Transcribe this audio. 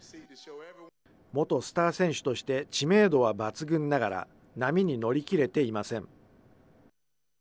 元スター選手として知名度は抜群ながら、波に乗り切れていません。